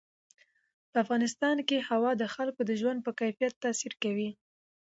په افغانستان کې هوا د خلکو د ژوند په کیفیت تاثیر کوي.